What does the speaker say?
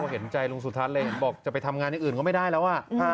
เห็นใจลุงสุทัศน์เลยเห็นบอกจะไปทำงานอย่างอื่นก็ไม่ได้แล้ว